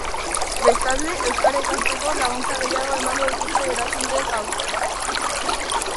Bestalde, euskara ikasteko laguntza gehiago emango dituzte erakundeek aurten.